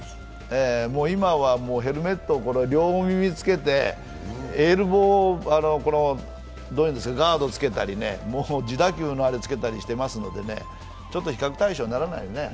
今はヘルメットを両耳つけて、エルボーガードをつけたり、自打球のあれをつけたりしていますからね、比較対象にはならないよね。